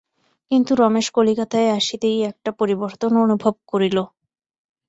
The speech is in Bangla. কিন্তু রমেশ কলিকাতায় আসিতেই একটা পরিবর্তন অনুভব করিল।